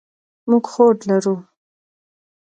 موږ هوډ لرو.